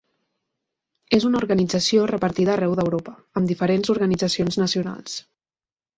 És una organització repartida arreu d'Europa, amb diferents organitzacions nacionals.